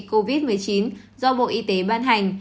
covid một mươi chín do bộ y tế ban hành